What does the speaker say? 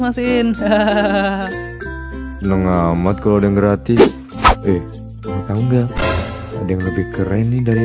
mas in hahaha seneng amat kalau ada yang gratis eh kamu tahu nggak ada yang lebih keren nih dari